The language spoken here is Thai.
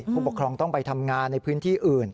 ผู้ปกครองต้องไปทำงานในพื้นที่อื่น